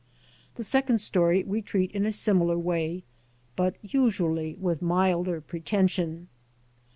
The second story we treat in a similar way, but usually with milder pretension.